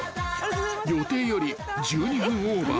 ［予定より１２分オーバー］